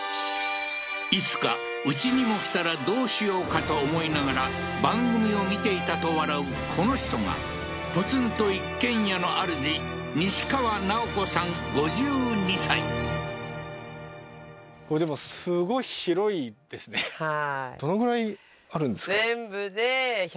いつかうちにも来たらどうしようかと思いながら番組を見ていたと笑うこの人がポツンと一軒家のあるじこれでもあるんですか？